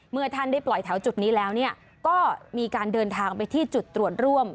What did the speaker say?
เมื่อท่านได้ปล่อยแถวจุดนี้แล้วก็มีการเดินทางไปที่จุดตรวจร่วม